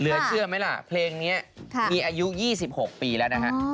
เชื่อไหมล่ะเพลงนี้มีอายุ๒๖ปีแล้วนะฮะ